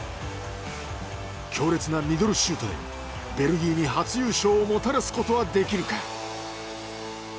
強烈なミドルシュートでベルギーに初優勝をもたらすことはできるか。